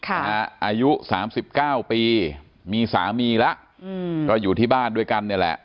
อายุ๓๙ปีมีสามีแล้วก็อยู่ที่บ้านด้วยกันนี่แหละ